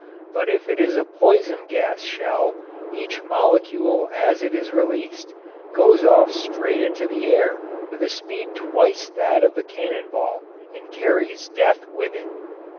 But if it is a poison gas shell each molecule as it is released goes off straight into the air with a speed twice that of the cannon ball and carries death with it.